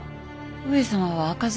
上様は赤面